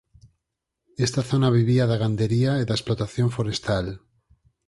Esta zona vivía da gandería e da explotación forestal.